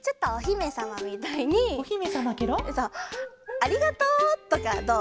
「ありがとう」とかどう？